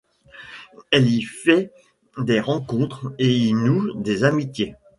Elle y fait des rencontres et y noue des amitiés.